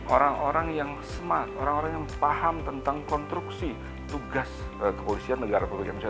orang orang yang smart orang orang yang paham tentang konstruksi tugas kepolisian negara republik indonesia